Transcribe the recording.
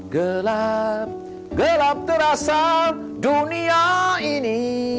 gelap gelap terasa dunia ini